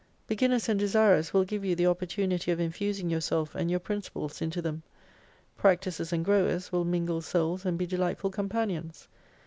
Beginners and desirers will give you the opportunity of infusing yourself and your principles into them. Practicers and growers will mingle souls and be delightful companions.